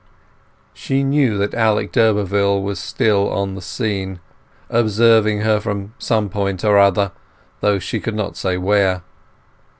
She knew that Alec d'Urberville was still on the scene, observing her from some point or other, though she could not say where.